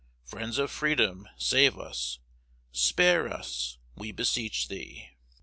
Friends of Freedom save us. Spare us, we beseech thee.